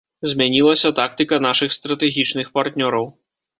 Змянілася тактыка нашых стратэгічных партнёраў.